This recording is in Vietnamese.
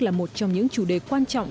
là một trong những chủ đề quan trọng